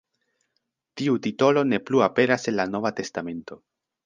Tiu titolo ne plu aperas en la Nova Testamento.